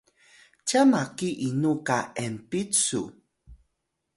cyan maki inu qa enpit su?